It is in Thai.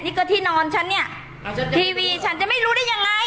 นี่ก็ที่นอนฉันเนี่ยทีวีฉันจะไม่รู้ได้ยังไง